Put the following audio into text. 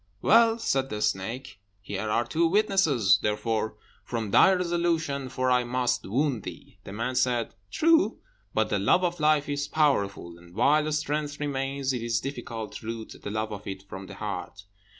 "Well," said the snake, "here are two witnesses; therefore, form thy resolution, for I must wound thee." The man said, "True; but the love of life is powerful, and while strength remains, it is difficult to root the love of it from the heart.